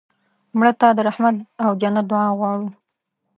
مړه ته د رحمت او جنت دعا غواړو